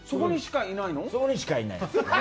そこにしか、いないです。